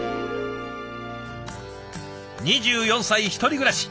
２４歳１人暮らし。